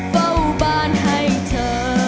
เฝ้าบ้านให้เธอ